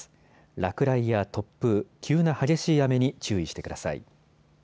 落雷や突風、急な激しい雨に注意してください。